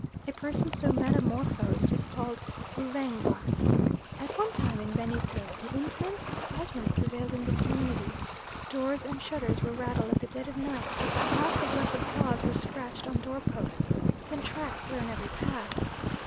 A person so metamorphosed is called 'Uvengwa.' At one time in Benito an intense excitement prevailed in the community. Doors and shutters were rattled at the dead of night, marks of leopard claws were scratched on door posts. Then tracks lay on every path.